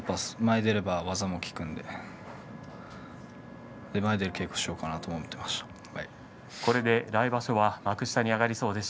前に出れば技も効くんで前に出る稽古をしようかなと来場所は幕下に上がれそうです。